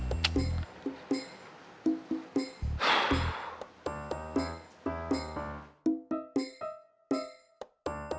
dan bersikap sebagai ksatria